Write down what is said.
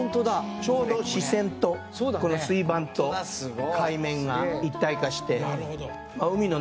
ちょうど視線とこの水盤と海面が一体化して。